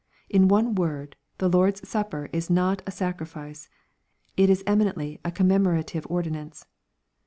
'' In one word, the Lord's supper is not a sacri fice. It is eminentlv a commemorative ordinance.